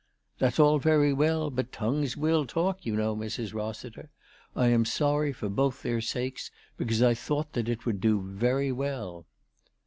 " That's all very well, but tongues will talk, you know, Mrs. Rossiter. I am sorry for both their sakes, because I thought that it would do very well."